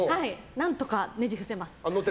何とかねじ伏せます。